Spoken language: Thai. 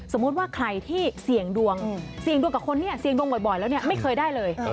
ว่าใครที่เสี่ยงดวงเสี่ยงดวงกับคนนี้เสี่ยงดวงบ่อยแล้วเนี่ยไม่เคยได้เลย